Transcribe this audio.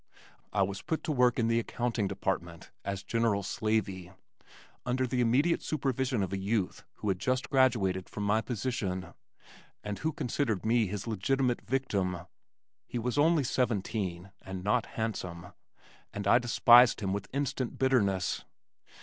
I was put to work in the accounting department, as general slavey, under the immediate supervision of a youth who had just graduated from my position and who considered me his legitimate victim. He was only seventeen and not handsome, and I despised him with instant bitterness.